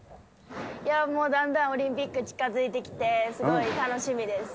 もうだんだんオリンピック近づいてきて、すごい楽しみです。